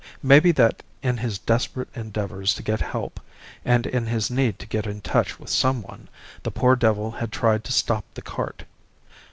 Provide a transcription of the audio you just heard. Maybe that in his desperate endeavours to get help, and in his need to get in touch with some one, the poor devil had tried to stop the cart.